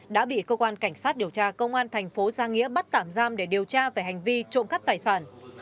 đã bị cơ quan cảnh sát điều tra công an thành phố gia nghĩa bắt tạm giam để điều tra về hành vi trộm cắp tài sản